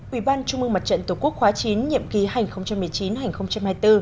ủy ban trung mương mặt trận tổ quốc khóa chín nhiệm kỳ hai nghìn một mươi chín hai nghìn hai mươi bốn